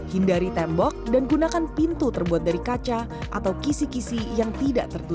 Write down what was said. hindari tembok dan gunakan pintu terbuat dari kaca atau kisi kisi yang tidak tertutup